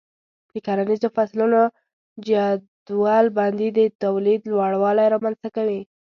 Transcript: د کرنیزو فصلونو جدول بندي د تولید لوړوالی رامنځته کوي.